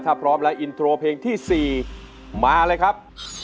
ถ้าพร้อมแล้วอินโทรเพลงที่๔มาเลยครับ